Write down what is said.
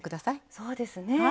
そうですね。